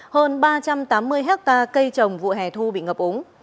hơn ba trăm tám mươi hectare cây trồng vụ hẻ thu bị ngập úng